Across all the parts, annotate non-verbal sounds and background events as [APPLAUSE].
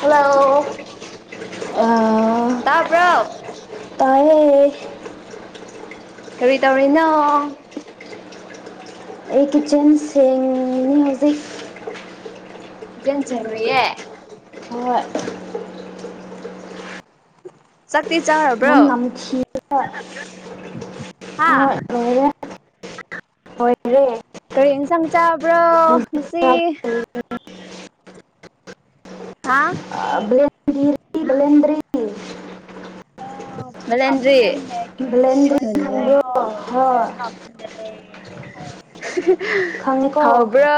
hello ꯇꯔꯕ ꯍ ꯀꯔꯤ ꯇꯧꯔꯤꯅꯣ ꯑꯩ ꯀꯤꯠꯆꯟꯁꯤꯡꯅꯤ ꯍꯧꯖꯤꯛ ꯏꯆꯅ ꯔꯨꯔꯤꯌꯦ ꯃ ꯆꯥꯛꯠꯇꯤ ꯆꯥꯔꯕ꯭ꯔꯣ ꯍꯥꯥ ꯍ ꯍꯣꯏ ꯇ꯭ꯔꯦꯟ ꯆꯪ ꯆꯕ꯭ꯔꯣ ꯍꯧꯖꯤꯛ ꯉꯁꯤ ꯍꯥꯥ ꯀꯔꯤ ꯀꯂꯦꯟꯗꯔꯤ ꯃꯂꯟꯔꯤ ꯃꯒꯤꯔ ꯕ꯭ꯂꯦꯟꯗ꯭ꯔꯤ ꯈꯪꯕ꯭ꯔꯣ ꯍꯣꯏ ꯈꯪꯉꯦꯀꯣ ꯍꯕ꯭ꯔꯣ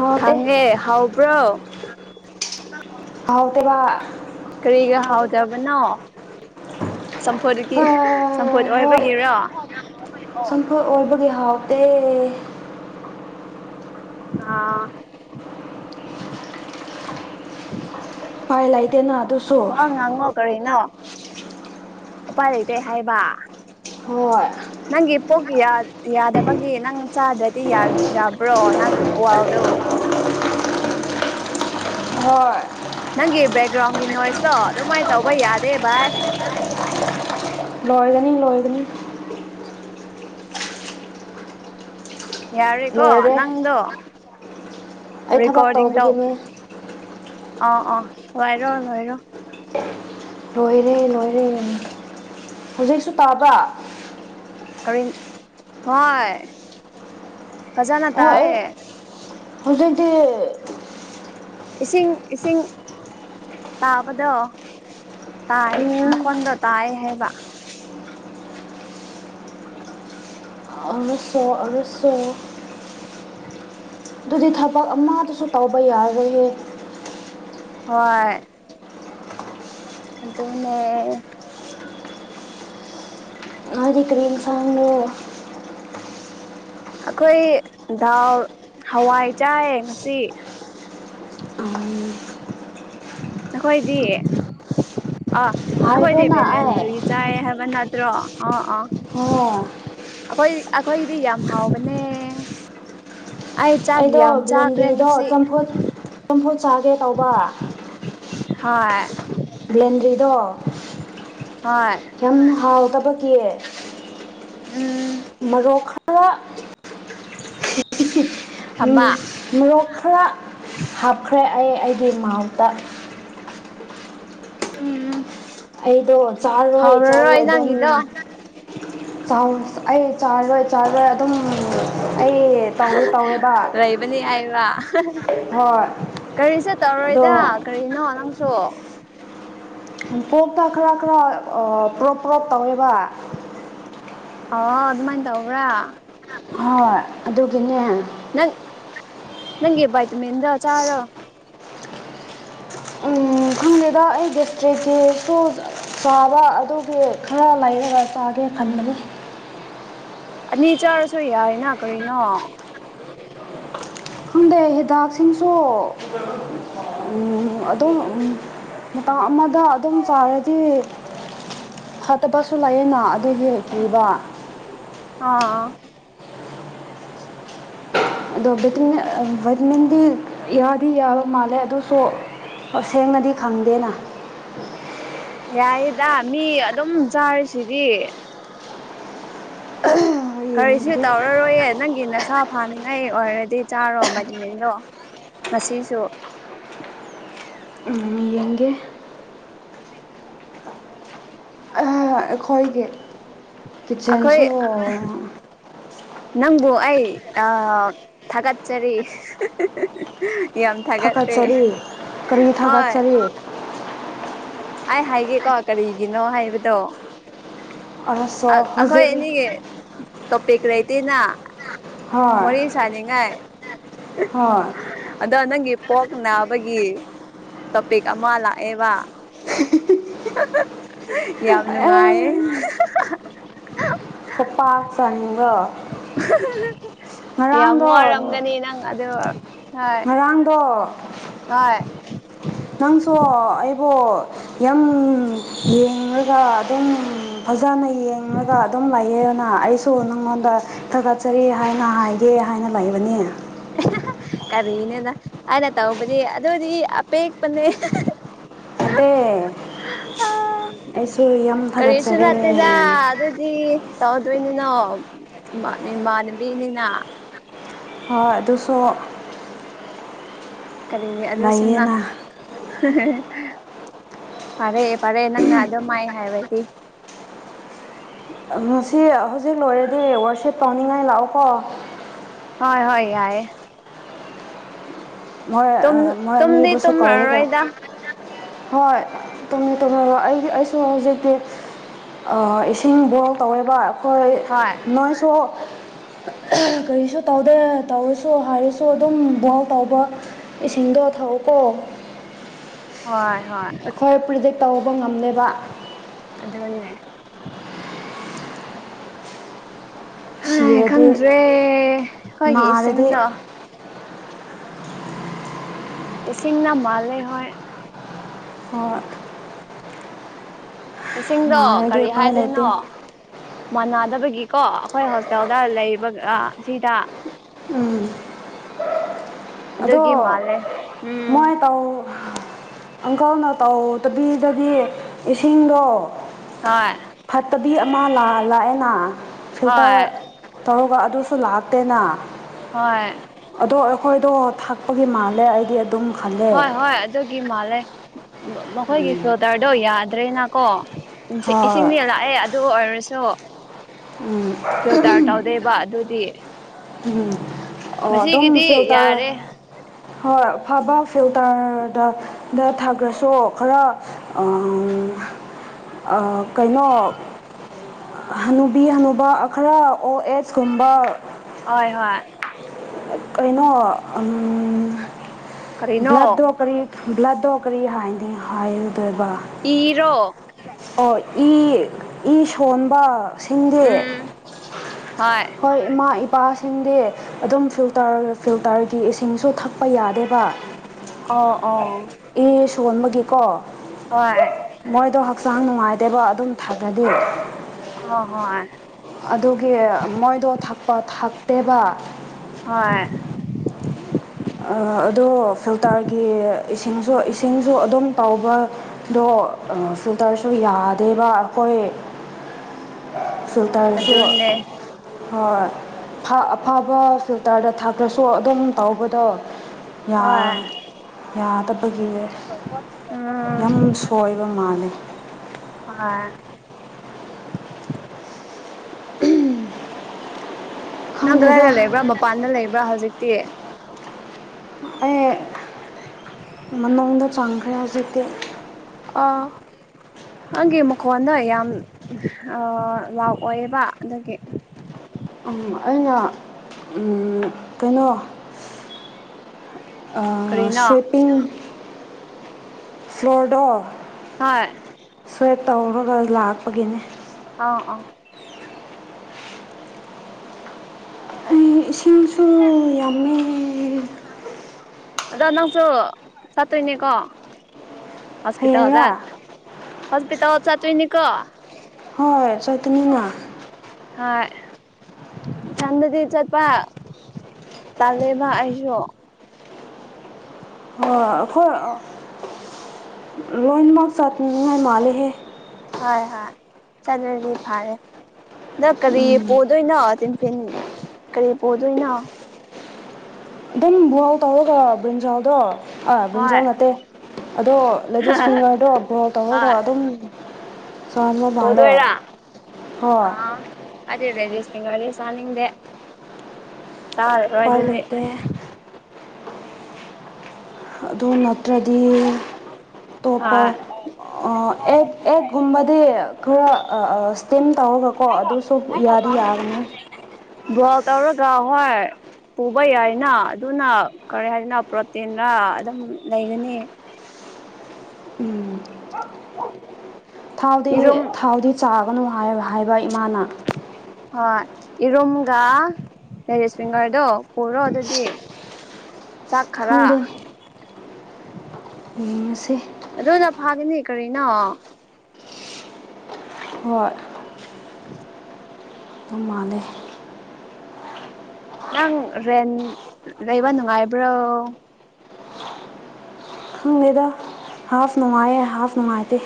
ꯍꯥꯎꯇꯦ ꯈꯪꯉꯦ ꯍꯥꯎꯕ꯭ꯔꯣ ꯑꯥꯎꯗꯕ ꯀꯔꯤꯒ ꯍꯥꯎꯗꯕꯅꯣ ꯆꯝꯐꯨꯠꯀꯤ ꯆꯝꯐꯨꯠ ꯍꯣꯏ ꯑꯣꯏꯕꯒꯤꯔꯣ ꯒ ꯍꯥꯎ ꯇ ꯑꯥ ꯄꯥꯏ ꯂꯥꯏꯗꯦꯅ ꯋꯥ ꯉꯥꯡꯉꯣ ꯀꯔꯤꯅꯣ ꯎꯄꯥꯏ ꯂꯩꯇ ꯍꯥꯏꯕ ꯍꯣꯏ ꯄꯣꯛ ꯌꯥꯗꯕꯒꯤ ꯅꯪ ꯆꯥꯗ꯭ꯔꯗꯤ ꯌꯥꯗꯕ꯭ꯔꯣ ꯅꯪ ꯋꯥ ꯋꯥꯜꯗꯣ ꯍꯣꯏ ꯅꯪꯒꯤ ꯕꯦꯛꯒ꯭ꯔꯥꯎꯟꯒꯤ ꯅꯣꯏꯁꯇꯣ ꯑꯗꯨꯃꯥꯏꯅ ꯇꯧꯕ ꯌꯥꯗꯦ ꯚꯥꯏ ꯂꯣꯏꯗꯅꯤ ꯂꯣꯏꯗꯅꯤ ꯌꯥꯔꯔꯤꯀꯣ ꯂꯣꯏꯔꯦ ꯑꯩ ꯅꯪꯗꯨꯣ ꯊꯕꯛ ꯔꯀꯣꯔꯗꯤꯡ ꯇ ꯇꯧꯕꯒꯤꯅꯦ ꯑ ꯑ ꯋꯥꯏꯔꯣ ꯂꯔꯣ ꯂꯣꯏꯔꯦ ꯂꯣꯏꯔꯦ ꯍꯧꯖꯤꯛꯁꯨ ꯇꯥꯕ꯭ꯔ ꯍꯣꯏ ꯍꯖꯅ ꯇꯥꯏꯍꯦ ꯍꯧꯖꯤꯣꯏꯗꯤ ꯏꯁꯤꯡ ꯏꯁꯤꯡ ꯇꯥꯕꯗꯣ ꯇꯥꯏ ꯎꯝ ꯃꯈꯣꯟꯗꯣ ꯇꯥꯏ ꯍꯥꯏꯕ ꯑ ꯁꯣ ꯑ ꯁꯣ ꯑꯗꯨꯗꯤ ꯊꯕꯛ ꯑꯃꯗꯨꯁꯨ ꯇꯧꯕ ꯌꯥꯔꯣꯏꯍꯦ ꯍꯣꯏ ꯑꯗꯨꯗꯅꯦꯦꯛ ꯑꯖꯤ ꯀꯔꯤꯝ ꯁꯥꯡꯗꯣ ꯑꯈꯣꯏ ꯗꯥꯎ ꯍꯋꯥꯏ ꯆꯥꯏ ꯉꯁꯤ ꯎꯝ ꯅꯈꯣꯏꯗꯤ ꯑꯥ ꯅꯈꯣꯏꯗꯤ ꯍꯥꯏꯈ꯭ꯔꯦꯅ ꯑꯩ ꯚꯦꯂꯦꯟꯗ꯭ꯔꯤ ꯆꯥꯏ ꯍꯥꯏꯕ ꯅꯠꯇ꯭ꯔꯣ ꯑꯥ ꯑꯥ ꯍꯣ ꯑꯈꯣꯏ ꯑꯈꯣꯏꯒꯤꯗꯤ ꯌꯥꯝ ꯍꯥꯎꯕꯅꯦ ꯑꯩ ꯆꯥꯛ ꯑꯩꯗꯣ ꯌꯥꯝ ꯆꯥꯈ꯭ꯔꯦ ꯕꯦꯂꯦꯟꯗ꯭ꯔꯤꯗꯣ ꯉꯁꯤ ꯆꯝꯐꯨꯠ ꯆꯝꯐꯨꯠ ꯆꯥꯒꯦ ꯇꯧꯕ ꯍꯣꯏ ꯗꯣ ꯍꯣꯏ ꯌꯥꯝ ꯍꯥꯎ ꯇꯕꯒꯤ ꯎꯝ ꯃꯔꯣꯛ ꯈꯔ ꯎꯝ ꯊꯝꯕ ꯃꯣꯔꯣꯛ ꯈꯔ ꯍꯥꯞꯈ꯭ꯔꯦ ꯑꯩ ꯑꯩꯒꯤ ꯃꯥꯎꯠꯇ ꯎꯝ ꯎꯝ ꯑꯩꯗꯣ ꯆꯜ ꯋꯥꯣꯏ ꯆꯜ ꯍꯥꯎꯔꯔꯣꯏ ꯑꯗꯨꯝ ꯅꯪꯒꯤꯗꯣ ꯑꯩ ꯆꯥꯔꯔꯣꯏ ꯆꯥꯔꯔꯣꯏ ꯑꯗꯨꯝ ꯑꯩ ꯇꯧꯋꯤ ꯇꯧꯋꯦ ꯕ ꯂꯩꯕꯅꯤ ꯍꯥꯏꯕ ꯀꯔꯤꯁꯨ ꯑꯗꯣ ꯇꯧꯔꯣꯏꯗ ꯀꯔꯤꯅꯣ ꯅꯪꯁꯨ ꯄꯣꯛꯇ ꯈꯔ ꯈꯔ ꯄ꯭ꯔꯣꯞ ꯄ꯭ꯔꯣꯞ ꯇꯧꯋꯦꯕ ꯑꯣ ꯑꯗꯨꯃꯥꯏꯅ ꯇꯧꯕ꯭ꯔꯥ ꯍꯣꯏ ꯑꯗꯨꯒꯤꯅꯦ ꯅꯪ ꯅꯪꯒꯤ ꯚꯥꯏꯇꯥꯃꯤꯟꯗꯣ ꯆꯥꯔꯣ ꯎꯝ ꯈꯪꯗꯦꯗ ꯑꯩ [UNINTELLIGIBLE] ꯆꯥꯕ ꯑꯗꯨꯒꯤ ꯈꯔ ꯂꯩꯔꯒ ꯆꯥꯒꯦ ꯈꯟꯕꯅꯤ ꯑꯅꯤ ꯆꯥꯔꯁꯨ ꯌꯥꯏꯅ ꯀꯔꯤꯅꯣ ꯈꯪꯗꯦ ꯍꯤꯗꯥꯛꯁꯤꯡꯁꯨ ꯎꯝ ꯑꯗꯨꯝ ꯃꯇꯥꯡ ꯑꯃꯗ ꯑꯗꯨꯝ ꯆꯥꯔꯗꯤ ꯐꯠꯇꯕꯁꯨ ꯂꯩꯌꯦꯅ ꯑꯗꯨ ꯀꯤꯕ ꯑꯥ ꯑꯗꯣ ꯕꯦꯇ ꯚꯥꯏꯇꯃꯤꯟꯗꯤ ꯌꯥꯗꯤ ꯌꯥꯕ ꯃꯥꯜꯂꯦ ꯑꯗꯨꯁꯨ ꯁꯦꯡꯅꯗꯤ ꯈꯪꯗꯦꯅ ꯌꯥꯏꯌꯦꯗ ꯃꯤ ꯑꯗꯨꯝ ꯆꯥꯔꯤꯁꯤꯗꯤ ꯀꯔꯤꯁꯨ ꯌꯦꯡꯒꯦ ꯇꯧꯔꯔꯣꯏꯌꯦ ꯅꯪꯒꯤ ꯅꯁꯥ ꯐꯥꯅꯤꯡꯉꯥꯏ ꯑꯣꯏꯔꯗꯤ ꯆꯥꯔꯣ ꯚꯥꯏꯇꯥꯃꯤꯟꯗꯣ ꯉꯁꯤꯁꯨ ꯌꯦꯡꯒꯦ ꯑꯩꯈꯣꯏꯒꯤ ꯑꯩꯈꯣꯏ ꯀꯤꯠꯆꯟꯁꯨ ꯅꯪꯕꯨ ꯑꯩ ꯊꯥꯒꯠꯆꯔꯤ ꯌꯥꯝ ꯊꯒꯠꯇꯦ ꯊꯥꯒꯠꯆꯔꯤ ꯀꯔꯤ ꯍꯣꯏ ꯊꯥꯒꯠꯆꯔꯤ ꯑꯩ ꯍꯥꯏꯒꯦꯀꯣ ꯀꯔꯤꯒꯤꯅꯣ ꯍꯥꯏꯕꯗꯣ ꯑꯁꯣ ꯑ ꯑꯈꯣꯏ ꯍꯧꯖꯤꯛ ꯑꯅꯤ ꯇꯣꯄꯤꯛ ꯂꯩꯇꯦꯅ ꯍꯣꯏ ꯋꯥꯔꯤ ꯁꯥꯅꯤꯡꯉꯥꯏ ꯍꯣꯏ ꯑꯗꯣ ꯅꯪꯒꯤ ꯄꯣꯛꯅꯕꯒꯤ ꯇꯣꯄꯤꯛ ꯑꯃ ꯂꯥꯛꯑꯦꯕ ꯌꯥꯝ ꯑꯩ ꯅꯨꯡꯉꯥꯏꯌꯦ ꯈꯨꯄꯥꯛ ꯆꯥꯅꯤꯡꯕ꯭ꯔꯣ ꯌꯥꯝ ꯉꯔꯥꯡꯗꯣ ꯋꯥꯔꯝꯒꯅꯤ ꯅꯪ ꯑꯗꯨ ꯍꯣꯏ ꯉꯔꯥꯡꯗꯣ ꯍꯣꯏ ꯅꯪꯁꯨ ꯑꯩꯕꯨ ꯌꯥꯝ ꯌꯦꯡꯉꯒ ꯑꯗꯨꯝ ꯐꯖꯅ ꯌꯦꯡꯉꯒ ꯑꯗꯨꯝ ꯂꯩꯌꯦꯅ ꯑꯩꯁꯨ ꯅꯪ ꯉꯣꯟꯗ ꯊꯥꯒꯠꯆꯔꯤ ꯍꯥꯏꯅ ꯍꯥꯏꯒꯦ ꯍꯥꯏꯅ ꯂꯩꯕꯅꯤ ꯀꯔꯤꯅꯦꯅ ꯑꯩꯅ ꯇꯧꯕꯗꯤ ꯑꯗꯨ ꯑꯣꯏꯗꯤ ꯑꯄꯦꯛꯄꯅꯦ ꯑ ꯑꯩꯁꯨ ꯌꯥꯝ ꯀꯔꯤꯁꯤ ꯊꯥꯒꯠꯆꯔꯤ ꯍꯥꯠꯇꯅ ꯑꯗꯨꯗ꯭ꯔꯗꯤ ꯇꯥꯎꯗꯅꯤꯅꯣ ꯃꯥ ꯃꯥꯟꯕꯤꯅꯤꯅ ꯍꯣꯏ ꯨ ꯁꯣ ꯀꯔꯤꯦ ꯑꯗꯨꯗꯁꯨꯨꯝꯅ ꯐꯔꯛꯑꯦ ꯐꯥꯔꯛꯑꯦ ꯅꯪꯅ ꯑꯗꯨꯝ ꯃꯥ ꯍꯥꯏꯔꯗꯤ ꯉꯁꯤ ꯍꯧꯖꯤꯛ ꯂꯣꯏꯔꯗꯤ ꯋꯥꯔꯁꯦꯞ ꯇꯧꯅꯤꯡꯉꯥꯏ ꯂꯥꯛꯑꯣꯀꯣ ꯍꯣꯏ ꯍꯣꯏ ꯌꯥꯏꯑꯦ ꯃꯣꯏ ꯃꯣꯏ ꯇꯨꯝꯗꯤ ꯃꯤꯕꯨꯁꯨ ꯀꯋꯦ ꯀꯣ ꯇꯨꯝꯃꯔꯣꯏꯗ ꯍꯣꯏ ꯇꯝꯃꯦ ꯇꯝꯃꯦ ꯑꯩꯒꯤ ꯑꯩꯁꯨ ꯍꯧꯖꯤꯛꯇꯤ ꯏꯁꯤꯡ ꯕꯣꯛ ꯇꯧꯋꯦꯕ ꯑꯩꯈꯣꯏ ꯍꯣꯏ ꯅꯣꯏꯁꯨ ꯀꯔꯤꯁꯨ ꯇꯧꯗꯦ ꯇꯧꯔꯁꯨ ꯍꯥꯏꯔꯁꯨ ꯑꯗꯨꯝ ꯕꯣꯜ ꯇꯧꯕ ꯏꯁꯤꯡꯗꯣ ꯊꯛꯑꯣꯀꯣ ꯍꯣꯏ ꯍꯣꯏ ꯑꯩꯈꯣꯏ ꯄ꯭ꯔꯤꯗꯤꯛ ꯇꯧꯕ ꯉꯝꯂꯦꯕ ꯑꯗꯨꯅꯦ ꯍꯣꯏ ꯁꯤꯔꯗꯤ ꯈꯪꯗ꯭ꯔꯦ ꯈꯣꯏꯒꯤ ꯅꯥꯔꯗꯤ ꯏꯁꯤꯡꯗꯣ ꯏꯁꯤꯡꯅ ꯃꯥꯜꯦ ꯍꯣꯏ ꯑꯣ ꯏꯁꯤꯡꯗꯣ ꯅꯥꯔꯗꯤ ꯀꯔꯤ ꯎꯄꯥꯏ ꯂꯩꯇꯦ ꯍꯥꯏꯗꯣꯏꯅꯣ ꯃꯥꯟꯅꯗꯕꯒꯤꯀꯣ ꯑꯩꯈꯣꯏ ꯍꯣꯁꯄꯤꯇꯥꯦꯜꯜꯗ ꯂꯩꯕꯒ ꯑꯁꯤꯗ ꯎꯝ ꯑꯗꯣ ꯑꯗꯨꯒꯤ ꯃꯥꯜꯂꯦ ꯎꯝ ꯃꯣꯏ ꯇꯥꯎ ꯑꯪꯀꯜꯅ ꯇꯧꯗꯕꯤꯗꯗꯤ ꯏꯁꯤꯡꯗꯣ ꯍꯣꯏ ꯋꯥꯔꯤ ꯑꯃ ꯂ ꯂꯥꯛꯑꯦꯅ ꯐꯤꯜꯇꯔ ꯍꯣꯏ ꯇꯧꯔꯒ ꯑꯗꯨꯁꯨ ꯂꯥꯛꯇꯦꯅ ꯍꯣꯏ ꯍꯣꯏꯗꯣ ꯊꯥꯛꯄꯒꯤ ꯃꯥꯜꯂꯦ ꯑꯩꯗꯤ ꯑꯗꯨꯝ ꯈꯜꯂꯦ ꯍꯣꯏ ꯍꯣꯏ ꯑꯗꯨꯒꯤ ꯃꯥꯜꯂꯦ ꯃꯈꯣꯏꯒꯤ ꯐꯤꯜꯇꯔꯗꯣ ꯌꯥꯗ꯭ꯔꯦꯅꯀꯣ ꯍꯣꯏ ꯏꯁꯤꯡꯗꯤ ꯂꯥꯛꯑꯦ ꯑꯗꯨ ꯑꯣꯏꯔꯁꯨ ꯐꯤ ꯇꯥꯔ ꯇꯧꯗꯩꯕ ꯑꯗꯨꯗꯤ ꯎꯝ ꯑꯣ ꯑꯗꯨꯝ ꯉꯁꯤꯒꯤꯗꯤ ꯐꯤꯜꯇꯔ ꯌꯥꯔꯦ ꯍꯣꯏ ꯐꯕ ꯐꯤꯜꯇꯔꯗ ꯗ ꯊꯥꯈ꯭ꯔꯁꯨ ꯈꯔ ꯀꯩꯅꯣ ꯍꯅꯨꯕꯤ ꯍꯅꯨꯕ ꯈꯔ ꯑꯣ ꯑꯦꯁꯀꯨꯝꯕ ꯍꯣꯏ ꯍꯣꯏ ꯀꯩꯅꯣ ꯀꯔꯤꯅꯣ ꯎ꯭ꯂꯗ ꯀꯔꯤ ꯭ꯂ ꯣꯀꯔꯤ ꯍꯉꯗ ꯍꯥꯏ ꯣꯏꯕ ꯏꯔꯣ ꯑꯣ ꯏ ꯏ ꯁꯣꯟꯕ ꯁꯤꯡꯗꯤ ꯎꯝ ꯍꯣꯏ ꯏꯃꯥ ꯅꯨꯄꯥꯁꯤꯡꯗꯤ ꯑꯗꯨꯝ ꯐꯤꯜꯇꯔ ꯐꯤꯜꯇꯔꯒꯤ ꯏꯁꯤꯡꯁꯨ ꯊꯛꯄ ꯌꯥꯗꯦꯕ ꯑꯣ ꯑꯣ ꯑꯦ ꯁꯣꯟꯕꯒꯤꯀꯣ ꯍꯣꯏ ꯃꯣꯏꯗꯣ ꯍꯛꯆꯥꯡ ꯅꯨꯡꯉꯥꯏꯇꯕ ꯑꯗꯨꯝ ꯊꯥꯒꯗꯤ ꯑꯣ ꯍꯣ ꯑꯗꯨꯒꯤ ꯃꯣꯏꯗꯣ ꯊꯛꯄ ꯊꯛꯇꯦꯕ ꯍꯣꯏ ꯑꯗꯣ ꯐꯤꯜꯇꯔꯒꯤ ꯏꯁꯤꯡꯁꯨ ꯏꯁꯤꯡꯁꯨ ꯑꯗꯨꯝ ꯇꯕꯗꯣ ꯐꯤꯜꯇꯔꯁꯨ ꯌꯥꯗꯦꯕ ꯑꯩꯈꯣꯏ [INAUDIBLE] ꯐꯤꯜꯇꯔꯁꯨ ꯑꯗꯨꯅꯦ ꯍꯣꯏ ꯑꯐꯕ ꯐꯤꯜꯇꯔꯗ ꯊꯥꯛꯇ꯭ꯔꯁꯨ ꯁꯣ ꯑꯗꯨꯝ ꯇꯧꯕꯗꯣ ꯍꯣꯏ ꯌꯥꯗꯕ ꯑꯩꯈꯣꯏꯒꯤ ꯌꯥꯝ ꯎꯝ ꯁꯣꯏꯕ ꯃꯥꯜꯜꯂꯤ ꯍꯣꯏ ꯅꯪ ꯈꯪꯗꯦꯗ ꯀꯗꯥꯏꯗ ꯂꯩꯕ꯭ꯔꯥ ꯃꯄꯥꯟꯗ ꯂꯩꯕ꯭ꯔꯥ ꯍꯧꯖꯤꯛꯇꯤ ꯑꯩ ꯃꯅꯨꯡꯗ ꯆꯥꯡꯈ꯭ꯔꯦ ꯍꯧꯖꯤꯛꯇꯤ ꯑ ꯑꯩꯪꯒꯤ ꯃꯈꯣꯟꯗꯣ ꯌꯥꯝ ꯂꯥꯎ ꯑꯣꯏꯌꯦꯕ ꯑꯗꯒꯤ ꯑꯩꯅ ꯀꯩꯅꯣ ꯀꯔꯤꯅꯣ ꯁ꯭ꯋꯦꯄꯤꯡ ꯐ꯭ꯂꯣꯔꯗꯥꯣ ꯍꯣꯏ ꯁ꯭ꯋꯦꯞ ꯇꯧꯔꯒ ꯂꯥꯛꯄꯒꯤꯅꯦ ꯑꯥ ꯑꯥ ꯑ ꯑ ꯑꯗꯣ ꯅꯪꯁꯨ ꯆꯠꯇꯣꯏꯅꯦꯀꯣ ꯍꯣꯁꯄꯤꯇꯥꯜ ꯍꯗ ꯍꯌꯦꯡꯔꯥ ꯍꯣꯁꯄꯤꯇꯥꯜ ꯍ ꯆꯠꯋꯅꯤꯀꯣ ꯍꯣꯏ ꯆꯇꯅꯤꯅ ꯆꯟꯗꯗꯤ ꯆꯠꯄ ꯇꯥꯂꯦꯕ ꯑꯩꯁꯨ ꯑꯣ ꯑꯩꯈꯣꯏ ꯂꯣꯏꯟꯃ ꯆꯇ ꯃꯤꯥꯏ ꯃꯥꯂꯦ ꯍꯦ ꯍꯣꯏ ꯍꯣꯏ ꯆꯠꯂ꯭ꯔꯗꯤ ꯐꯔꯦ ꯑꯗ ꯀꯔꯤ ꯄꯣꯗꯣꯏꯅꯣ ꯇꯤꯟꯐꯤꯟ ꯀꯔꯤ ꯄꯨꯣꯛꯗꯣꯏꯅꯣ ꯑꯗꯨꯝ ꯋꯥꯜ ꯇꯧꯔꯒ ꯕ꯭ꯔꯤꯟꯖꯥꯜꯗꯣ ꯑꯥ ꯕ꯭ꯟꯖꯥꯎ ꯍꯣꯏ ꯅꯠꯇꯦ ꯑꯗꯣ ꯂꯦꯗꯤꯁ ꯐꯤꯡꯒꯔꯗꯣ ꯕꯣꯜ ꯇꯧꯔꯒ ꯑꯗꯨꯝ ꯆꯥꯕ ꯃꯥꯜꯂꯦ ꯍꯗꯗ ꯍꯣꯏ ꯑ ꯑꯗꯦꯗꯦ ꯌꯦꯒꯥ ꯆꯥꯅꯤꯗꯦ ꯇ ꯎꯄꯥꯏ ꯔꯗꯗꯤ ꯂꯩꯇꯦ ꯑꯗꯨ ꯅꯠꯇ꯭ꯔꯗꯤ ꯑꯇꯣꯞꯄ ꯑꯥ ꯑꯦꯛ ꯑꯦꯛꯒꯨꯝꯕꯗꯤ ꯈꯔ ꯁ꯭ꯇꯤꯝ ꯇꯧꯔꯒꯀꯣ ꯑꯗꯨꯁꯨ ꯌꯥ ꯃꯔꯤ ꯌꯥꯒꯅꯤ ꯇꯔꯔꯒꯥ ꯍꯣꯏ ꯄꯨꯕ ꯌꯥꯏꯅ ꯑꯗꯨꯅ ꯀꯔꯤ ꯍꯥꯏꯗꯅ ꯄ꯭ꯔꯣꯇꯤꯟꯔ ꯑꯗꯨꯝ ꯂꯩꯒꯅꯤ ꯎꯝ ꯊꯥꯎꯗꯤ ꯏꯔꯨꯝ ꯊꯥꯎꯗꯤ ꯆꯥꯒꯅꯨ ꯍꯥꯏꯕ ꯏꯃꯥꯅ ꯍꯣꯏ ꯏꯔꯨꯝꯒ ꯂꯦꯔꯤꯁ ꯐꯤꯡꯒꯔꯗꯣ ꯄꯨꯔꯣ ꯑꯗꯨꯗꯤ ꯆꯥꯛꯈꯔ ꯎꯁꯦ ꯑꯗꯨꯅ ꯐꯥꯒꯅꯤ ꯀꯔꯤꯅꯣ ꯍꯣꯏ ꯑꯗꯨ ꯃꯥꯅꯦꯦ ꯅꯪ ꯔꯦꯟ ꯂꯩꯕ ꯅꯨꯡꯉꯥꯏꯕ꯭ꯔꯣ ꯈꯪꯗꯦꯗ ꯍꯥꯐ ꯅꯨꯡꯉꯥꯏꯌꯦ ꯍꯥꯐ ꯅꯨꯡꯉꯥꯏꯇꯦ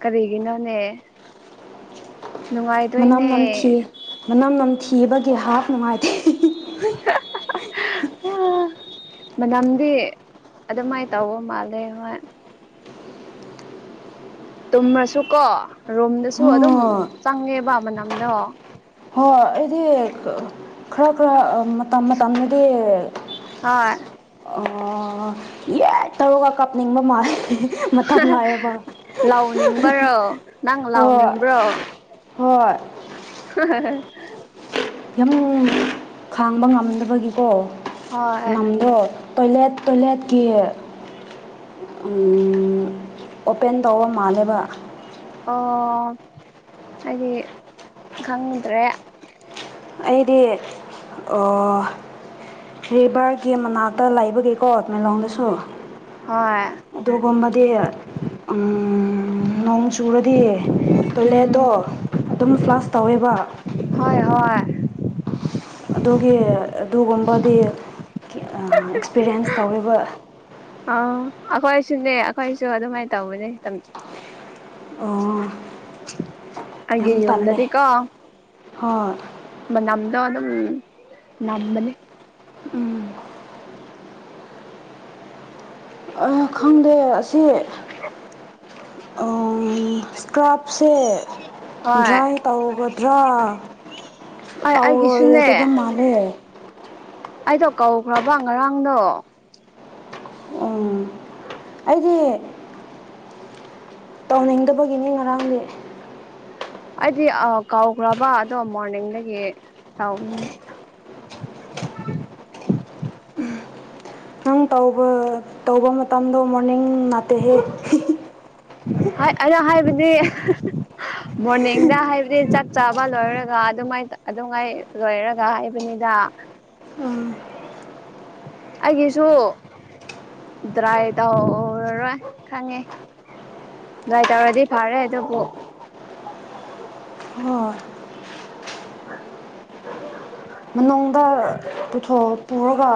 ꯀꯔꯤꯒꯤꯅꯣꯅꯦ ꯃꯅꯝ ꯅꯨꯡꯉꯥꯏꯗꯣꯏꯅꯦ ꯅꯝꯊꯤ ꯃꯅꯝ ꯅꯝꯊꯤꯕꯒꯤ ꯍꯥꯞ ꯅꯨꯡꯉꯥꯏꯇꯦ ꯎꯝ ꯃꯅꯝꯗꯤ ꯑꯗꯨꯃꯥꯏꯅ ꯇꯧꯕ ꯃꯥꯜꯂꯦ ꯍꯣꯏ ꯇꯨꯝꯃꯁꯨ ꯀꯣ ꯔꯣꯝꯗꯁꯨ ꯑꯗꯨꯝ ꯍꯣꯏ ꯆꯪꯉꯦꯕ ꯃꯅꯝꯗꯣ ꯍꯣꯏ ꯑꯩꯗꯤ ꯈꯔ ꯈꯔ ꯃꯇꯝ ꯃꯇꯝꯗꯨꯗꯤ ꯍ ꯑꯣ ꯌꯥ ꯇꯧꯔꯒ ꯀꯥꯞꯅꯤꯡꯕ ꯃꯥꯜꯂꯦ ꯃ ꯂꯥꯛꯑꯦꯕꯣ ꯂꯥꯎꯅꯤꯡꯕꯔꯣ ꯅꯪ ꯑꯣ ꯂꯥꯎꯅꯤꯡꯕ꯭ꯔꯣ ꯍꯣꯏ [UNINTELLIGIBLE] ꯌꯥꯝ ꯈꯥꯡꯕ ꯉꯝꯗꯕꯒꯤꯀꯣ ꯍꯣꯏ ꯅꯝꯗꯣ ꯄꯂꯦꯠ ꯄꯂꯦꯠ ꯀ ꯑꯣꯄꯦꯟ ꯇꯧꯕ ꯃꯥꯜꯂꯦꯕ ꯑꯣ ꯍꯥꯏꯗꯤ ꯈꯪꯗ꯭ꯔꯦ ꯑꯩꯗꯤ ꯚꯔꯒꯤ ꯃꯅꯥꯛꯇ ꯂ ꯂꯩꯕꯒꯤꯀꯣꯃꯦꯂꯣꯡꯗꯁꯨ ꯍꯣꯏ ꯑꯗꯨꯒꯨꯝꯕꯗꯤ ꯎꯝ ꯅꯣꯡ ꯆꯨꯔꯗꯤ ꯇꯣꯏꯂꯦꯠꯇꯣ ꯎꯝ ꯑꯗꯨꯝ ꯐ꯭ꯂꯥꯁ ꯇꯧꯋꯦꯕ ꯏ ꯑꯗꯨꯒꯤ ꯑꯗꯨꯒꯨꯝꯕꯗꯤ ꯑꯦꯛꯁꯄꯤꯔꯤꯟꯁ ꯇꯧꯔꯤꯕ ꯑ ꯑꯩꯈꯣꯏꯁꯨꯅꯦ ꯑꯩꯈꯣꯏꯁꯨ ꯑꯗꯨꯃꯥꯏꯅ ꯇꯧꯕꯅꯦ ꯑꯣ ꯑꯩꯒꯤꯦ ꯌꯨꯝꯗꯗꯤꯀ ꯍꯣꯏ ꯃꯅꯝ ꯑ ꯑꯗꯨꯝ ꯅꯝꯕꯅꯤ ꯎꯝ ꯈꯪꯗꯦ ꯑꯁꯤ ꯏꯁꯀ꯭ꯔꯥꯞꯁꯦ ꯍꯣꯏ ꯗ꯭ꯔꯥꯏ ꯇꯧꯒꯗ꯭ꯔꯥ ꯑꯩ ꯑꯩꯒꯤꯁꯨꯅꯦ ꯇꯧꯔꯣꯏꯒꯗꯕ ꯃꯥꯜꯂꯦ ꯑꯩꯗꯣ ꯀꯧꯈ꯭ꯔꯕ ꯉꯔꯥꯡꯗꯣ ꯎ ꯑꯩꯗꯤ ꯇꯧꯅꯤꯡꯗꯕꯒꯤꯅꯤ ꯉꯔꯥꯡꯗꯤ ꯑꯩꯗꯤ ꯀꯧꯈ꯭ꯔꯕ ꯑꯗꯣ ꯃꯣꯔꯅꯤꯡꯗꯒꯤ ꯇꯥꯎꯒꯅꯦ ꯑ ꯎꯝ ꯅꯪ ꯇ ꯇꯧꯕ ꯃꯇꯝꯗꯣ ꯃꯣꯔꯅꯤꯡ ꯅꯥꯇꯦꯍꯦ ꯍꯣꯏ ꯑꯗꯣ ꯍꯥꯏꯕꯗꯤ ꯃꯣꯔꯅꯤꯡꯗ ꯍꯥꯏꯕꯗꯤ ꯆꯥꯛ ꯆꯥꯕ ꯂꯣꯏꯔꯒ ꯑꯗꯨꯃꯥꯏꯅ ꯑꯗꯨꯉꯥꯏ ꯂꯣꯏꯔꯒ ꯍꯥꯏꯕꯅꯤꯗ ꯑꯩꯒꯤꯁꯨ ꯗ꯭ꯔꯥꯏ ꯇꯧꯔꯔꯣꯏ ꯈꯪꯉꯦ ꯥꯏ ꯇꯧꯔꯗꯤ ꯐꯔꯦ ꯑꯗꯨꯕꯨ ꯍꯣꯏ [INAUDIBLE] ꯃꯅꯨꯡꯗ ꯄꯨꯊꯣꯛ ꯄꯨꯔꯒ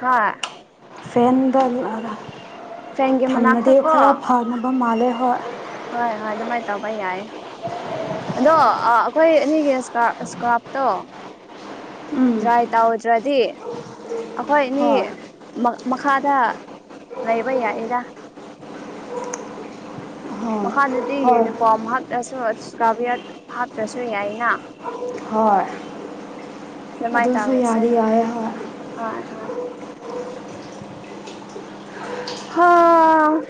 ꯍꯥ ꯐꯦꯟꯗ ꯐꯦꯟꯒꯤ ꯃꯅꯥꯛꯇ ꯊꯝꯃꯗꯤ ꯀꯣ ꯈꯔ ꯐꯅꯕ ꯃꯥꯜꯂꯦ ꯍꯣꯏ ꯍꯣꯏ ꯍꯣꯏ ꯑꯗꯨꯃꯥꯏꯅ ꯇꯧꯕ ꯌꯥꯏꯌꯦꯦ ꯑꯗꯣ ꯑꯩꯈꯣꯏ ꯑꯅꯤꯒꯤ ꯏꯁꯀꯥꯞꯇꯣ ꯎꯝ ꯗ꯭ꯔꯥꯏ ꯇꯧꯗ꯭ꯔꯗꯤ ꯑꯩꯈꯣꯏꯅꯤ ꯍꯣꯏ ꯃꯈꯥꯗ ꯂꯩꯕ ꯌꯥꯏꯔ ꯍꯣꯏ ꯃꯈꯥꯗꯗꯤ ꯍꯣꯏ ꯌꯨꯅꯤꯐꯣꯔꯝ ꯍꯥꯞꯂꯁꯨ ꯏꯁꯀꯥꯕꯤꯌꯠ ꯍꯥꯞꯇ꯭ꯔꯁꯨ ꯌꯥꯏꯅ ꯍꯣꯏ ꯃꯥꯏ ꯊ ꯌꯥꯔꯤ ꯌꯥꯌꯥ ꯑ ꯍꯥꯎ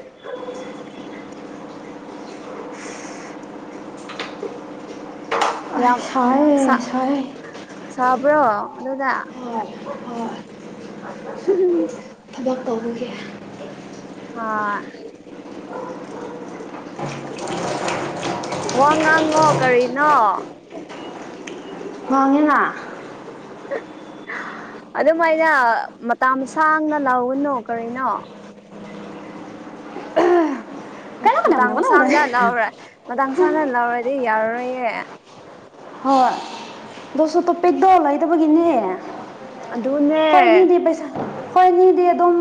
ꯑ ꯌꯥꯝ ꯁꯥ ꯑꯦꯁꯣꯏ ꯁꯥꯕ꯭ꯔꯣ ꯑꯗꯨꯗꯥ ꯍꯣꯏ ꯇꯧꯕꯒꯦ ꯑ ꯋꯥ ꯉꯥꯡꯉꯣ ꯀꯔꯤꯅꯣ ꯋꯥꯥꯡꯉꯦꯅ [INAUDIBLE] ꯑꯗꯨꯝꯥꯏꯅ ꯃꯇꯝꯥ ꯁꯥꯡꯅ ꯂꯥꯎꯒꯅꯨ ꯀꯔꯤꯅꯣ ꯀꯩꯅꯣ ꯀꯅꯥ ꯀꯅꯥ ꯀꯅꯥ ꯃꯇꯥꯡꯁꯥꯡꯗ ꯂꯧꯔꯦ ꯃꯇꯥꯡ ꯁꯁꯥꯡꯗ ꯂꯧꯔꯗꯤ ꯌꯥꯔꯔꯣꯏꯌꯦꯦ [INAUDIBLE] [INAUDIBLE] ꯗꯣꯁꯣ ꯇꯣꯞꯄꯤꯗ ꯑꯣ ꯂꯩꯥꯏꯗꯕꯒꯤꯅꯦ ꯑꯗꯨꯅꯦ ꯍꯣꯏꯅꯤꯅꯦ ꯄꯩꯁꯥ ꯍꯣꯏ ꯃꯤꯗꯤ ꯑꯗꯨꯝ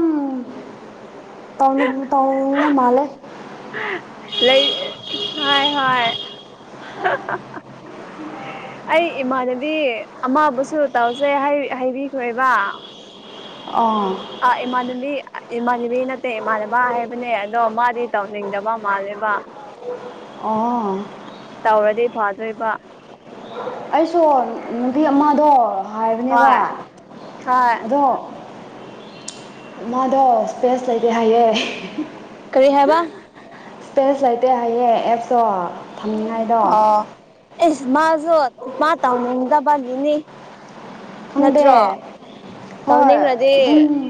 ꯇꯧ ꯃꯥꯜꯂꯦ ꯂꯩ ꯍꯣꯏ ꯍꯣꯏ ꯑꯩ ꯏꯃꯥꯟꯅꯕꯤ ꯑꯃꯕꯨꯁꯨ ꯇꯧꯁꯦ ꯍꯥꯏꯕꯤꯈ꯭ꯔꯦꯕ ꯑꯥ ꯃꯤ ꯏꯃꯥꯟꯕꯤ ꯅꯠꯇꯦ ꯏꯃꯥꯟꯅꯕ ꯍꯥꯏꯕꯅꯦ ꯑꯗꯣ ꯃꯥꯗꯤ ꯇꯧꯅꯤꯡꯗꯕ ꯃꯥꯜꯂꯦꯕ ꯑꯣ ꯇꯧꯔꯗꯤ ꯐꯗꯣꯏꯔꯤꯕ ꯑꯩꯁꯨ ꯅꯨꯄꯤ ꯑꯃꯗꯣ ꯍꯥꯏꯕꯅꯦꯕ ꯍꯣꯏ ꯍꯣꯏ ꯑꯗꯣ ꯃꯥꯗꯣ ꯏꯁꯄꯦꯁ ꯂꯩꯇꯦ ꯍꯥꯏꯌꯦꯦ ꯀꯔꯤ ꯍꯥꯏꯕ ꯏꯁꯄꯦꯁ ꯂꯩꯇꯦ ꯍꯥꯏꯌꯦꯦ ꯑꯦꯞꯇꯣ ꯊꯝꯅꯤꯉꯥꯏꯗꯣ ꯑꯣ ꯑꯦꯁ ꯃꯥꯁꯨ ꯃꯥ ꯇꯧꯅꯤꯡꯗꯕꯒꯤꯅꯤ ꯅꯠꯇ꯭ꯔꯣ ꯈꯪꯗꯦ ꯇꯧꯅꯤꯡꯅꯗꯤ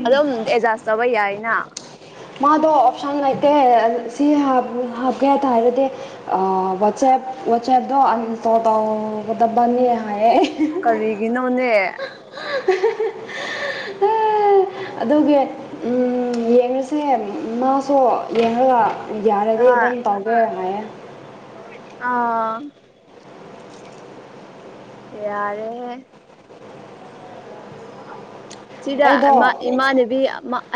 ꯑꯗꯨꯝ ꯑꯦꯗꯖꯥꯁ ꯇꯧꯕ ꯌꯥꯏ [INAUDIBLE] ꯃꯥꯗꯣ ꯑꯣꯞꯁꯟ ꯂꯩꯇꯦ ꯁꯤ ꯍꯥꯞꯀꯦ ꯍꯥꯏꯇꯥꯔꯗꯤ ꯋꯥꯆꯦꯞ ꯋꯥ ꯆꯦꯗꯣ ꯑ ꯇꯣ ꯇ ꯗꯕꯥꯅꯤ ꯍꯥꯏꯌꯦꯦ ꯀꯔꯤꯒꯤ ꯅꯧꯅꯦ [INAUDIBLE] ꯑꯗꯨꯒꯤ ꯌꯦꯡꯉꯁꯦ ꯃꯥꯁꯨ ꯌꯦꯡꯉꯒ ꯌꯥꯔꯗꯤ ꯑꯗꯨꯝ ꯑꯥ ꯇꯥꯖꯔꯦ ꯍꯥꯏꯌꯦꯦ ꯑꯥ ꯌꯥꯔꯦ ꯁꯤꯗ ꯑꯩꯗꯣ ꯏꯃꯥꯟꯅꯕꯤ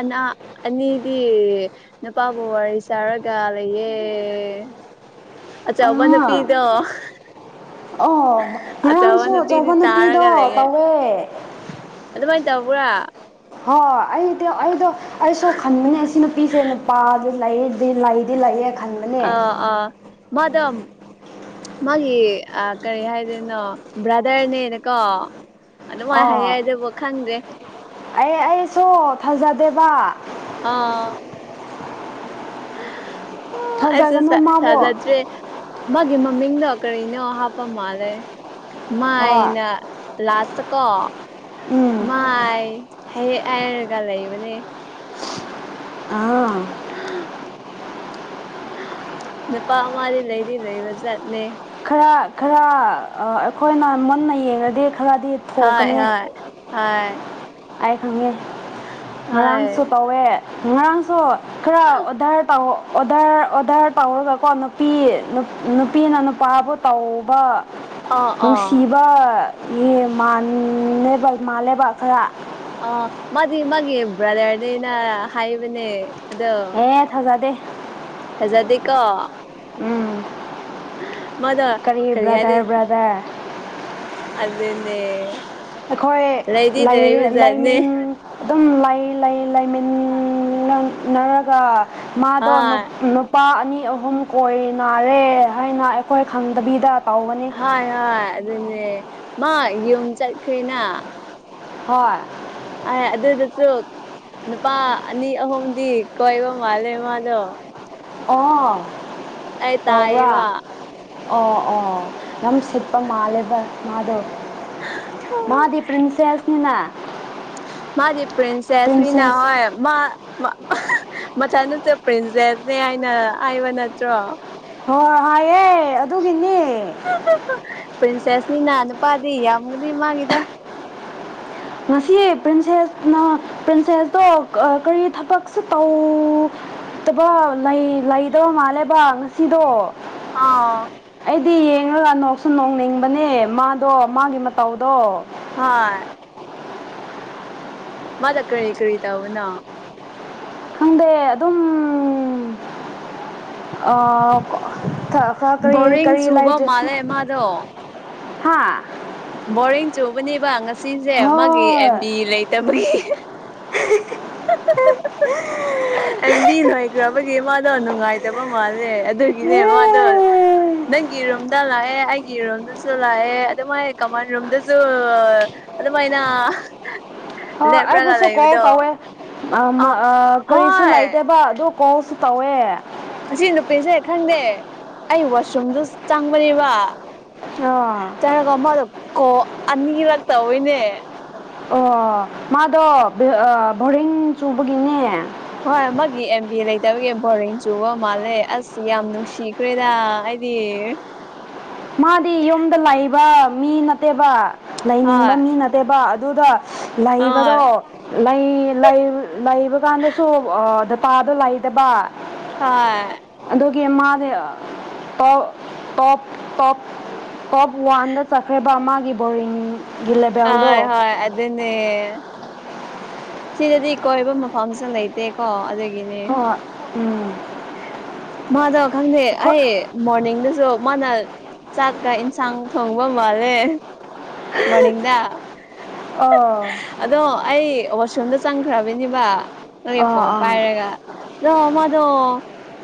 ꯑꯅꯥ ꯑꯅꯤꯗꯤ ꯅꯨꯄꯥꯕꯨ ꯋꯥꯔꯤ ꯆꯥꯔꯒ ꯂꯩꯌꯦ ꯑꯆꯥ ꯍꯕ ꯑꯥ ꯅꯄꯤꯤꯗꯣ ꯑꯣ ꯑꯆꯥꯧꯕ ꯉꯔꯥꯡꯁꯨ ꯅꯨꯄꯤꯗꯤ ꯑꯆꯧꯕ ꯇꯥꯔꯒ ꯅꯨꯄꯤꯗꯣ ꯂꯩꯒꯦ ꯇꯧꯋꯦ ꯑꯗꯨꯃꯥꯏꯅ ꯗꯕꯥ ꯍꯣꯏ ꯑꯩꯗꯤ ꯑꯩꯗꯣ ꯑꯩꯁꯨ ꯈꯟꯕꯅꯦ ꯁꯤ ꯅꯨꯄꯤꯁꯦ ꯅꯨꯄꯥꯒꯤ ꯂꯩ ꯑꯩ ꯂꯥꯏꯗꯤ ꯂꯥꯏꯌꯦ ꯑꯥ ꯑꯥ ꯃꯗꯝ ꯃꯥꯒꯤ ꯀꯔꯤ ꯍꯥꯏꯗꯣꯏꯅꯣ ꯕ꯭ꯔꯥꯗꯔꯅꯦꯅꯦꯀꯣ ꯑꯗꯨꯃꯥꯏꯅ ꯍꯥꯏ ꯑꯥ ꯍꯥꯏꯗꯕ ꯈꯪꯗꯦ ꯁꯣ ꯊꯥꯖꯗꯦꯕ ꯑꯥ ꯑꯁꯨ ꯊꯥꯖꯒꯅꯨ ꯃꯥꯕꯨ ꯆꯂꯗ꯭ꯔꯦ ꯃꯥꯒꯤ ꯃꯃꯤꯡꯗꯣ ꯀꯔꯤꯅꯣ ꯍꯥꯞꯄ ꯃꯥꯜꯂꯦ ꯍꯣꯏ ꯃꯥꯏꯅ ꯂꯥꯁ ꯆꯀꯣ ꯎꯝ ꯃꯥꯏ ꯍꯦꯛ ꯍꯥꯏꯔꯒ ꯂꯩꯕꯅꯦ ꯑꯥ ꯅꯨꯄꯥ ꯃꯥꯗꯤ ꯂꯩꯗꯤ ꯂꯩꯕꯖꯥꯠꯅꯦ ꯈꯔ ꯈꯔ ꯑꯩꯈꯣꯏꯅ ꯃꯨꯟꯅ ꯌꯦꯡꯉꯗꯤ ꯈꯔꯗꯤ ꯍꯣꯏ ꯊꯣꯛꯀꯅꯤ ꯍꯣꯏ ꯍꯣꯏ ꯑꯩ ꯈꯪꯉꯦ ꯍꯣꯏ ꯉꯔꯥꯡꯁꯨ ꯇꯧꯋꯦ ꯉꯔꯥꯡꯁꯨ ꯈꯔ ꯑꯣꯙꯥꯔ ꯇꯥꯎꯑꯣ ꯑꯣꯗꯔ ꯑꯣꯗꯔ ꯇꯧꯔꯒꯀꯣ ꯅꯨꯄꯤ ꯅꯨꯄꯤꯅ ꯅꯨꯄꯥꯕꯨ ꯇꯧꯕ ꯑꯥ ꯑꯥ ꯅꯨꯡꯁꯤꯕ ꯃꯕ ꯃꯥꯜꯂꯦꯕ ꯈꯔ ꯑ ꯃꯥꯗꯤ ꯃꯥꯒꯤꯦ ꯭ꯔꯗꯔꯅꯦꯅ ꯍꯥꯏꯕꯅꯦ ꯑꯦ ꯊꯖꯥ ꯗꯦ ꯍꯥꯏꯖꯥꯗꯤ ꯀꯣ ꯎꯝ ꯃꯗ ꯀꯔꯤ ꯌꯥꯗ ꯕ꯭ꯔꯗꯔ ꯕ꯭ꯔꯗꯔ ꯑꯗꯨꯗꯅꯦ ꯑꯩꯈꯣꯏ ꯂꯥꯏꯃꯤꯟ ꯑꯗꯨꯝ ꯂ ꯂꯩ ꯂꯩꯃꯤꯟꯅꯟꯅꯔꯒ ꯃꯥꯗꯣ ꯍꯣꯏ ꯅꯨꯄꯥ ꯑꯅꯤ ꯑꯍꯨꯝ ꯀꯣꯏ ꯅꯥꯔꯦ ꯍꯥꯏꯅ ꯑꯩꯈꯣꯏ ꯈꯪꯗꯕꯤꯗ ꯇꯧꯕꯅꯤ ꯍꯣꯏ ꯍꯣꯏ ꯑꯗꯨꯅꯦ ꯃꯥ ꯌꯨꯝ ꯆꯠꯈꯅ ꯍꯣꯏ ꯑ ꯑꯗꯨꯁꯨ ꯅꯨꯄꯥ ꯑꯅꯤ ꯑꯍꯨꯝꯗꯤ ꯀꯣꯏꯕ ꯃꯥꯜꯂꯦ ꯃꯥꯗꯣ ꯑꯣ ꯑ ꯇꯥ ꯑꯦ ꯇꯧꯕ꯭ꯔꯥ ꯋꯥ ꯑꯣ ꯑꯣ ꯌꯥꯝ ꯁꯤꯄꯝ ꯃꯥꯂ ꯃꯥꯗꯨ ꯃꯥꯗꯤ ꯄꯔꯤꯟꯁꯦꯁꯅꯤꯅ ꯃꯥꯗꯤ ꯄꯔꯤꯤꯟꯁꯦꯁꯅꯤꯅꯍꯣꯏ ꯃꯥ ꯃꯊꯅꯨꯁꯦ ꯄ꯭ꯔꯤꯟꯁꯦꯁꯅꯦ ꯍꯥꯏꯅ ꯍꯥꯏꯕ ꯅꯠꯇ꯭ꯔꯣ ꯍꯣꯏ ꯍꯥꯏꯑꯦ ꯑꯗꯨꯒꯤꯅꯦ ꯅꯤꯡꯅꯄꯥꯗꯤ ꯌꯥꯝꯒꯗꯤ ꯃꯥꯒꯤꯗ ꯉꯁꯤ ꯄ꯭ꯔꯤꯟꯁꯦꯁꯅ ꯄ꯭ꯔꯤꯟꯁꯦꯁꯇꯣ ꯀꯔꯤ ꯊꯕꯛꯁꯨ ꯇꯧ ꯇꯕ ꯂꯩꯗꯕ ꯃꯥꯜꯂꯦꯕ ꯉꯁꯤꯗꯣ ꯑꯥ ꯑꯩꯉꯒ ꯅꯣꯛꯁꯨ ꯅꯣꯡꯅꯤꯡꯕꯅꯦ ꯃꯥꯗꯣ ꯃꯥꯒꯤ ꯃꯇꯧꯗꯣ ꯍꯣꯏ ꯃꯥꯗ ꯀꯔꯤ ꯀꯔꯤ ꯇꯕꯅ ꯈꯪꯗꯦ ꯑꯗꯨꯝ ꯑꯣ ꯃ ꯑ ꯈ ꯀꯔꯤ ꯕꯣꯔꯤꯡ ꯀꯔꯤ ꯆꯨꯕ ꯂꯥꯏꯗ꯭ꯔꯁꯨ ꯃꯥꯜꯂꯦ ꯃꯥꯗꯣ ꯍꯥꯥ ꯕꯣꯔꯤꯡ ꯆꯨꯕꯅꯦꯕ ꯉꯁꯤꯁꯦ ꯃꯥꯒꯤ ꯍꯣꯏ ꯑꯦꯝꯕꯤ ꯂꯩꯇꯕꯒꯤ ꯍ ꯑꯦꯝꯕꯤ ꯂꯣꯏꯈ꯭ꯔꯕꯒꯤ ꯃꯥꯗꯣ ꯅꯨꯡꯉꯥꯏꯇꯕ ꯃꯥꯜꯂꯦ ꯑꯗꯨꯒꯤꯅꯦ ꯃꯥꯗꯣ ꯔꯣꯝꯗꯁꯨ ꯂꯥꯛꯑꯦ ꯑꯗꯨꯃꯥꯏꯅ ꯀꯃꯥꯟ ꯔꯣꯝꯗꯁꯨ ꯑꯗꯨꯃꯥꯏꯅ ꯍꯣꯏ ꯂꯦꯕꯔꯥꯒ ꯑꯩꯕꯨꯁꯨ ꯂꯩꯕ ꯀꯣꯜ ꯇꯧꯋꯦ ꯇꯣ ꯑꯥ ꯃꯥ ꯑ ꯑꯥ ꯀꯔꯤꯁꯨ ꯍꯣꯏ ꯂꯩꯇꯦꯕ ꯑꯗꯨ ꯀꯣꯜꯁꯨ ꯇꯧꯋꯦ ꯁꯤ ꯅꯨꯄꯤꯦꯁ ꯑꯦꯈꯥ ꯈꯪꯗꯦ ꯑꯩ ꯋꯥꯁꯔꯨꯝꯗꯨ ꯆꯪꯕꯅꯦꯕ ꯑꯣ ꯆꯔꯒ ꯃꯥꯗꯣ ꯀꯣ ꯑꯅꯤꯔꯛ ꯇꯧꯋꯣꯏꯅꯦ ꯃꯥꯗ ꯍꯣꯏ ꯃꯥꯒꯤ ꯑꯦꯦꯝ ꯕꯤ ꯑꯦ ꯂꯩ ꯀꯠꯇꯕꯒꯤ ꯕꯣꯔꯦꯡ ꯆꯨꯕ ꯃꯥꯜꯂꯦ ꯑꯁ ꯌꯥꯝ ꯅꯨꯡꯁꯤꯈ꯭ꯔꯦꯗ ꯍꯥꯏꯗꯤ ꯃꯥꯗꯤ ꯌꯨꯝꯗ ꯂꯥꯛꯏꯕ ꯃꯤ ꯅꯠꯇꯦꯕ ꯂꯩꯅꯤꯡꯕ ꯍꯣꯏ ꯃꯤ ꯅꯠꯇꯦꯕ ꯑꯗꯨꯗ ꯍꯣꯏ ꯂꯩꯕꯗꯣ ꯂꯩ ꯂꯩꯕ ꯀꯥꯟꯗꯁꯨ ꯗꯇꯥꯗꯣ ꯂꯩꯗꯕ ꯑ ꯇꯣ ꯇꯣꯞ ꯇꯣꯞ ꯇꯣꯞ ꯋꯥꯟꯗ ꯆꯠꯈ꯭ꯔꯕ ꯑꯃꯒꯤ ꯕꯣꯔꯔꯤꯅꯤ [INAUDIBLE] ꯁꯤꯗꯗꯤ ꯀꯣꯏꯕ ꯃꯐꯝꯁꯨ ꯂꯩꯇꯦꯀꯣ ꯑꯗꯨ ꯍ ꯎꯝ ꯃꯥꯗꯣ ꯈꯪꯗꯦ ꯑꯩꯈꯣꯏ ꯑꯩ ꯃꯣꯔꯅꯤꯡꯗꯁꯨ ꯃꯥꯅ ꯆꯥꯛꯀ ꯏꯟꯁꯥꯡ ꯊꯣꯡꯕ ꯃꯥꯜꯂꯦ ꯃꯅꯤꯡꯗ ꯑꯥ ꯑꯗꯣ ꯑꯩꯁ ꯐꯣꯟꯗ ꯆꯪꯈ꯭ꯔꯕꯅꯤꯕ ꯅꯣꯏ ꯑꯥ ꯐꯣꯟ ꯄꯥꯏꯔꯒ ꯑꯗꯣ ꯃꯥꯗꯣ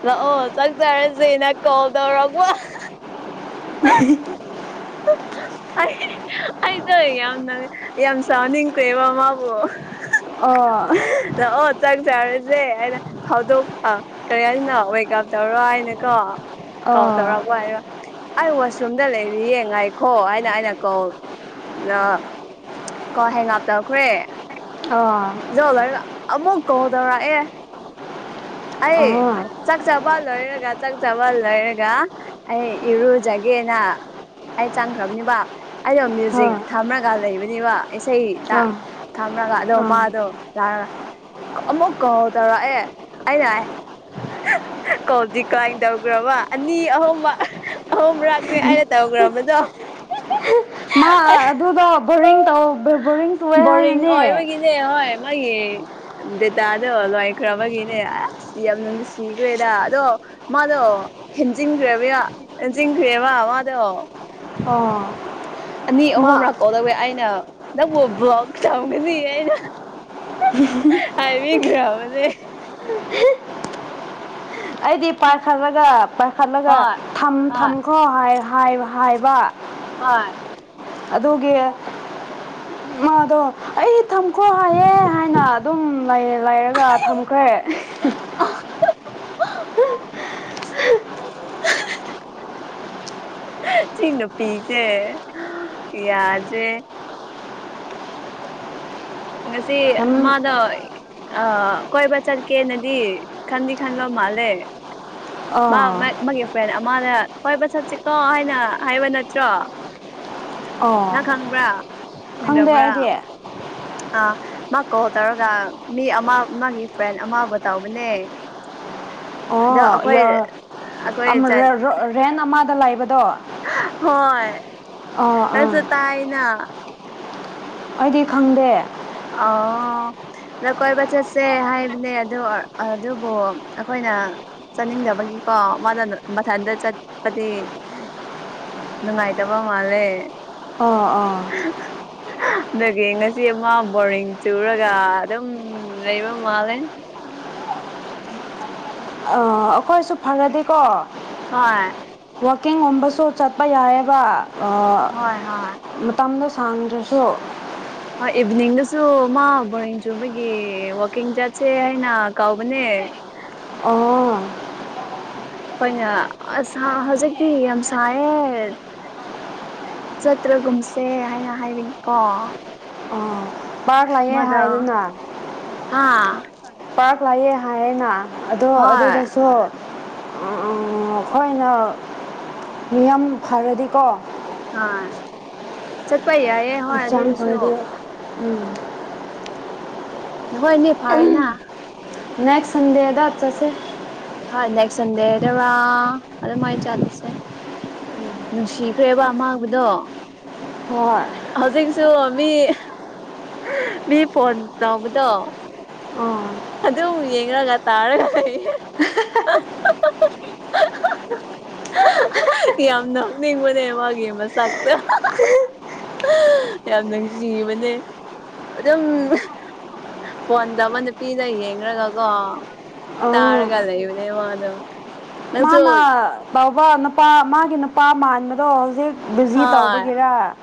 ꯂꯥꯛꯑꯣ ꯆꯥꯛ ꯆꯔꯁꯦ ꯅꯪ ꯀꯣꯜ ꯇꯧꯔꯔꯕ [UNINTELLIGIBLE] ꯑꯩꯗꯣ ꯌꯥꯝꯅꯪ ꯌꯥꯝ ꯆꯥꯎꯅꯤꯡꯇꯦꯕ ꯃꯥꯥꯕꯨ ꯑꯥ ꯑꯥ ꯑꯣ ꯆꯥꯛ ꯆꯔꯔꯦ ꯦ ꯑꯩꯅ ꯊꯧꯗꯣꯛ ꯀꯔꯤ ꯍꯥꯏꯅ ꯋꯦꯜꯀꯝ ꯇꯧꯔꯣ ꯍꯥꯏꯅꯀꯣ ꯀꯥꯎ ꯑꯥ ꯇꯧꯔꯕꯨ ꯍꯥꯏꯒ ꯋꯥꯁꯔꯨꯝꯗ ꯂꯩꯔꯤ ꯌꯦ ꯉꯥꯏꯈꯣ ꯍꯥꯏꯅ ꯑꯩꯅ ꯀꯧ ꯀꯣ ꯍꯌꯦ ꯉꯥꯞꯇꯈ꯭ꯔꯦ ꯑꯥ ꯌꯧ ꯂꯔꯒ ꯑꯃꯨꯛ ꯀꯧ ꯇꯧꯔꯛꯑꯦ ꯑ ꯑꯌꯦ ꯍꯣꯏ ꯆꯛꯆꯥꯕꯜ ꯇꯛꯊꯕ ꯂꯣꯏꯔꯒ ꯑꯩ ꯏꯔꯨꯖꯒꯦꯅ ꯑꯩ ꯆꯪꯈ꯭ꯔꯕꯅꯤꯕ ꯑꯩꯅꯣ ꯃ꯭ꯌꯨꯖꯤꯛ ꯑꯥ ꯊꯝꯃꯔꯒ ꯂꯩꯕꯅꯤꯕ ꯏꯁꯩ ꯊꯝꯒ ꯑꯗꯣ ꯑꯥ ꯃꯥꯗꯣ ꯂꯥꯛꯔꯒ ꯑꯃꯨꯛ ꯀꯣꯜ ꯇꯧꯔꯛꯑꯦ ꯑꯩꯅ ꯍꯥꯏ ꯀꯣꯞꯗꯤ ꯀꯥꯏꯅ ꯇꯧꯈ꯭ꯔꯕ ꯑꯅꯤ ꯑꯍꯨꯝ ꯑꯍꯨꯝ ꯃꯔꯥꯛꯅꯦ ꯍꯥꯏꯅ ꯇꯧ ꯄꯒ꯭ꯔꯝꯗ ꯑꯗꯨꯗꯣ ꯕꯣꯔꯤꯡ ꯇ ꯕꯣꯔꯤꯡ ꯆꯨꯑꯦ ꯕꯔꯤꯡ ꯍꯣꯏ ꯍꯥꯏꯅꯅꯦ ꯃꯥꯒꯤꯅꯦ ꯍꯣꯏ ꯃꯥꯒꯤ ꯗꯦꯇꯥꯗꯣ ꯂꯉꯥꯏꯈ꯭ꯔꯕꯒꯤꯅꯦ ꯑꯁ ꯌꯥꯝ ꯅꯨꯡꯁꯤꯈ꯭ꯔꯦꯗ ꯑꯗꯣ ꯃꯥꯗꯣ ꯍꯦꯟꯖꯤꯟꯈ꯭ꯔꯕ ꯍꯦꯟꯖꯤꯟꯈ꯭ꯔꯦꯕ ꯃꯥꯗꯣ ꯑꯣ ꯑꯅꯤ ꯃꯥ ꯑꯍꯨꯝꯔꯛ ꯀꯧꯗꯧꯋꯦ ꯑꯩꯅ ꯅꯪꯕꯨ ꯛ ꯊꯒꯅꯤ ꯌꯥꯅ ꯍꯥꯏꯕꯤꯒ꯭ꯔꯕꯁꯦ ꯑꯩꯗꯤ ꯄꯥꯏꯈꯠꯂꯒ ꯄꯥꯏꯈꯠꯂꯒ ꯍꯣꯏ ꯍꯣꯏ ꯊꯝꯈ꯭ꯔꯣ ꯍꯥꯏꯕ ꯑ ꯑꯗꯨꯒꯤ ꯑ ꯑꯗꯣ ꯑꯩ ꯊꯝꯈꯣ ꯍꯥꯏꯌꯦꯦ ꯍꯥꯏꯅ ꯑꯗꯨꯝ ꯂꯩꯔꯒ ꯊꯝꯈ꯭ꯔꯦ [UNINTELLIGIBLE] [INAUDIBLE] ꯆꯤꯅ ꯄꯤꯖꯦ ꯌꯥꯌꯥꯖꯦ ꯉ ꯉꯁꯤ ꯅꯝ ꯃꯥꯗ ꯑ ꯀꯣꯏꯕ ꯆꯠꯀꯦꯅꯗꯤ ꯈꯟꯗꯤ ꯈꯟꯕ ꯃꯥꯜꯂꯦ ꯃꯥ ꯑꯥ ꯃ ꯃꯥ ꯐ ꯃꯥꯅ ꯍꯣꯏꯕ ꯆꯠꯁꯤꯀꯣ ꯍꯥꯏꯅ ꯍꯥꯏꯕ ꯅꯠꯇ꯭ꯔꯣ ꯑꯣ ꯅꯪ ꯈꯪꯕ꯭ꯔꯥ ꯈꯪꯗꯦ ꯈꯪꯗꯕ꯭ꯔꯥ ꯍꯥꯏꯗꯤ ꯑꯥ ꯃꯥ ꯀꯣꯜ ꯇꯧꯔꯒ ꯃꯤ ꯑꯃ ꯃꯥꯒꯤ ꯐ꯭ꯔꯦꯟ ꯑꯃꯕꯨ ꯇꯧꯕꯅꯦ ꯑꯗꯣ ꯑꯣ ꯑꯩꯈꯣꯏ ꯌꯥ ꯑꯩꯈꯣꯏ ꯆꯠ ꯔꯦꯟ ꯑꯃꯗ ꯂꯥꯛꯕꯗꯣ ꯀꯁ ꯇꯥꯏꯅꯥ ꯑꯩꯗꯤ ꯈꯪꯗꯦ ꯑꯣ ꯀꯣꯏꯕ ꯆꯠꯁꯦ ꯍꯥꯏꯕꯅꯦ ꯑꯗꯨ ꯑꯗꯨꯕꯨ ꯑꯩꯈꯣꯏ ꯑꯩꯅ ꯆꯠꯅꯤꯡꯗꯕꯒꯤꯀꯣ ꯃꯥ ꯃꯊꯟꯇ ꯆꯠꯄꯗꯤ ꯅꯪꯥꯏꯇꯕ ꯃꯥꯂꯦ ꯑꯣ ꯑꯥ ꯑꯗꯒꯤꯦ ꯉꯁꯤ ꯑꯃ ꯕꯣꯔꯤꯡ ꯆꯨꯔꯒ ꯑꯗꯨꯝ ꯂꯩꯕ ꯃꯥꯜꯂꯦ ꯑꯥ ꯑꯩꯈꯣꯏꯁꯨ ꯐꯔꯗꯤꯀꯣ ꯍꯣꯏ ꯀꯡꯝꯕ ꯁꯣ ꯆꯠꯄ ꯌꯥꯑꯦꯕ ꯍꯣꯏ ꯍꯣꯏ ꯃꯇꯝꯗ ꯁꯥꯡꯗ꯭ꯔꯁꯨ ꯏꯚꯅꯤꯡ ꯂꯁꯨ ꯃꯥ ꯕꯣꯔꯦꯡ ꯆꯨꯕꯒꯤ ꯋꯥꯛꯀꯤꯡ ꯆꯠꯁꯦ ꯍꯥꯏꯅ ꯀꯥꯎꯕꯅꯦ ꯑꯣ ꯍꯣꯏꯅ ꯑ ꯍꯧꯖꯤꯛꯇꯤ ꯌꯥꯝ ꯁꯥꯏꯌꯦꯦ ꯆꯇ꯭ꯔꯒꯨꯝꯁꯦ ꯍꯥꯏꯅ ꯍꯥꯏꯔꯒꯦꯀꯣ ꯚꯔ ꯂꯌꯦꯦ ꯍꯥꯏꯗꯅ ꯍꯥꯥ ꯄꯥꯔ ꯂꯥꯛꯑꯦ ꯍꯥꯏꯌꯦꯅ ꯑꯗꯣ ꯑꯗꯨꯗꯁꯨ ꯎꯝ ꯐꯃ ꯑꯩꯈꯣꯏꯅ ꯂꯩꯔ ꯃꯤꯌꯥꯝ ꯐꯔꯗꯤꯀꯣ ꯑ ꯆꯠꯄ ꯌꯥꯏꯑꯦ ꯍꯣꯏ ꯍꯛꯆꯥꯡ ꯑꯗꯨꯁꯨ ꯐꯔꯗꯤ ꯎꯝ ꯅꯣꯏꯅꯦ ꯐꯥꯔꯦꯅ ꯅꯦꯛꯁ ꯁꯟꯗꯦꯗ ꯆꯠꯁꯦ ꯇꯁꯟꯗꯦꯗꯔꯥ ꯑꯗꯨꯃꯥꯏꯅ ꯆꯠꯂꯁꯦ ꯅꯨꯡꯁꯤꯈ꯭ꯔꯦꯕ ꯑꯃꯥꯡꯕꯗꯣ ꯍꯣꯏ ꯍꯧꯖꯤꯛꯁꯨ ꯃꯤ ꯃꯤ ꯐꯣꯟ ꯂꯧꯕꯗꯣ ꯑꯥ ꯑꯗ ꯌꯦꯡꯒ ꯇꯥꯒ [INAUDIBLE] [UNINTELLIGIBLE] ꯌꯥꯝ ꯅꯅꯤ ꯃꯅꯦ ꯃꯥꯒꯤꯦ ꯃꯁꯥꯛꯇ ꯌꯥꯝ ꯅꯨꯡꯁꯤꯤꯕꯅꯦ ꯑꯗꯨꯝ ꯟꯕꯟ ꯅꯨꯄꯤꯅ ꯌꯦꯡꯒꯀꯣ ꯑꯥ ꯇꯥꯔꯒ ꯂꯩꯕꯅꯦ ꯃꯥꯗꯣ ꯅꯪꯁꯨ ꯃꯥꯅ ꯕꯥ ꯅꯨꯄꯥ ꯃꯥꯒꯤ ꯅꯨꯄꯥ ꯃꯥꯟꯕꯗꯣ ꯍꯧꯖꯤꯛ ꯕꯤꯖꯤ ꯍꯣꯏ ꯇꯧꯕꯒꯤꯦꯔ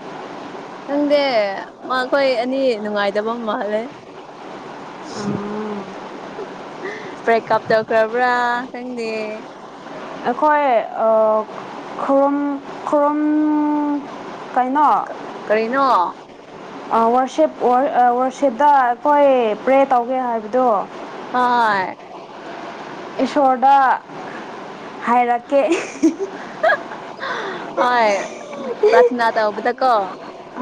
ꯈꯪꯗꯦ ꯃꯈꯣꯏ ꯑꯅꯤ ꯅꯨꯡꯉꯥꯏꯗꯕ ꯃꯥꯍꯜꯂꯦ [INAUDIBLE] ꯕ꯭ꯔꯦꯛꯀꯞ ꯇꯧꯈ꯭ꯔꯕ꯭ꯔꯥ ꯈꯪꯗꯦ ꯑꯩꯈꯣꯏ ꯈꯨ ꯈꯨꯔꯨꯝ ꯀꯩꯅꯣ ꯀꯔꯤꯅꯣ ꯋꯥꯔꯛꯁꯦꯞ ꯋꯥꯔꯛꯁꯦꯞꯇ ꯑꯩꯈꯣꯏ ꯄ꯭ꯔꯦ ꯇꯧꯒꯦ ꯍꯥꯏꯕꯗꯣ ꯍꯣꯏ ꯏꯁꯣꯔꯗ ꯍꯥꯏꯔꯛꯀꯦ ꯍꯣꯏ ꯄꯔꯊꯅꯥ ꯑ ꯇ ꯎꯕꯗ ꯀꯣ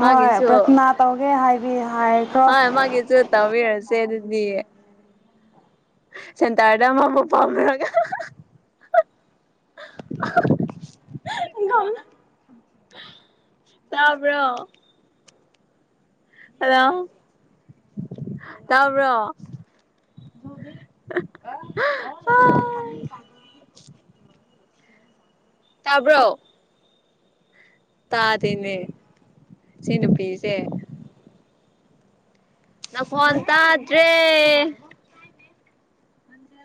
ꯍꯣꯏ ꯄ꯭ꯔꯊꯅꯥ ꯇꯧꯒꯦ ꯍꯥꯏꯕꯤ ꯍꯥꯏꯈ꯭ꯔꯣ ꯑꯣꯏ ꯃꯥꯒꯤꯦꯁꯨꯠꯇꯁꯦ ꯑꯗꯨ ꯦ ꯁꯦꯟꯇꯔꯗ ꯑꯃꯕꯨ ꯄꯥꯝꯃꯔꯒ ꯀ ꯇꯥꯕ꯭ꯔꯣ ꯑꯣ ꯇꯥꯕ꯭ꯔꯣ [INAUDIBLE] ꯇꯥꯕ꯭ꯔꯣ ꯇꯥꯗꯅꯦ ꯁꯤ ꯅꯨꯄꯤꯤꯁꯦ ꯅ ꯐꯣꯟ ꯇꯗ꯭ꯔꯦ